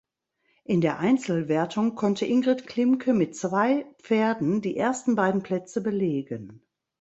In der Einzelwertung konnte Ingrid Klimke mit zwei Pferden die ersten beiden Plätze belegen.